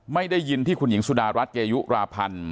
ไม่ได้ยินที่คุณหญิงสุดารัฐเกยุราพันธ์